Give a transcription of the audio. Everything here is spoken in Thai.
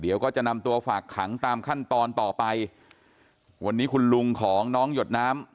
เดี๋ยวก็จะนำตัวฝากขังตามขั้นตอนต่อไปวันนี้คุณลุงของน้องหยดน้ำ